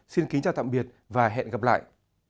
xin kính chào tạm biệt và hẹn gặp lại